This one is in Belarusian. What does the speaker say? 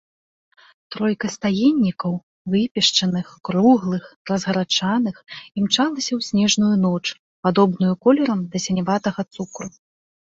Тройка стаеннікаў, выпешчаных, круглых, разгарачаных, імчалася ў снежную ноч, падобную колерам да сіняватага цукру.